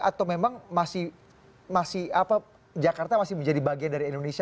atau memang masih jakarta masih menjadi bagian dari indonesia